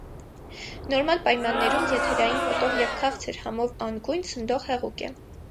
Նորմալ պայմաններում եթերային հոտով և քաղցր համով անգույն, ցնդող հեղուկ է։